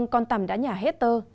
con tảm đã nhả hết tơ